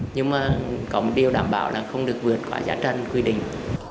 nhưng mà có một điều đảm bảo là không được vượt qua giá trần quy định